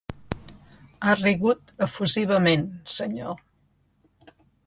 Ha rigut efusivament, senyor.